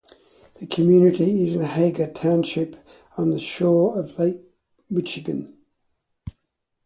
The community is in Hagar Township on the shore of Lake Michigan.